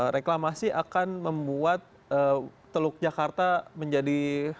reklamasi akan membuat teluk jakarta menjadi